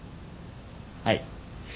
はい。